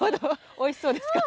おいしそうです。